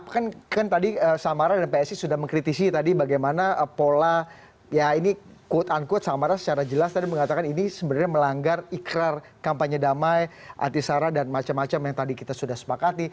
kan tadi samara dan psi sudah mengkritisi tadi bagaimana pola ya ini quote unquote samara secara jelas tadi mengatakan ini sebenarnya melanggar ikrar kampanye damai anti sara dan macam macam yang tadi kita sudah sepakati